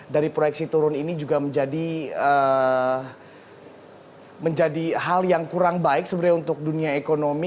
dari proyeksi turun ini juga menjadi hal yang kurang baik sebenarnya untuk dunia ekonomi